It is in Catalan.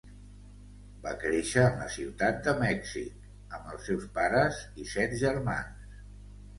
Va créixer en la Ciutat de Mèxic amb els seus pares i set germans.